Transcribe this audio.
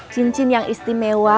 cincin yang istimewa